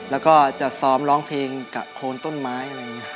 แล้วก้าจะซ้อมร้องเพลงกะโค่นต้นไม้